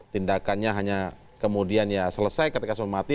tindakannya hanya kemudian ya selesai ketika sudah mati